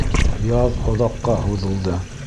Яҙ оҙаҡҡа һуҙылды.